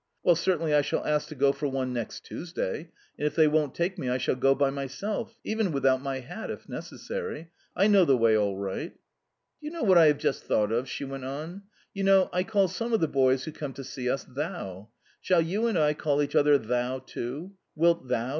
"Well, certainly I shall ask to go for one next Tuesday, and, if they won't take me I shall go by myself even without my hat, if necessary. I know the way all right." "Do you know what I have just thought of?" she went on. "You know, I call some of the boys who come to see us THOU. Shall you and I call each other THOU too? Wilt THOU?"